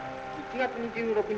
月２６日